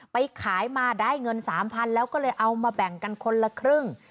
ไปขายมาได้เงิน๓๐๐๐แล้วก็เลยเอามาแบ่งกันคนละครึ่ง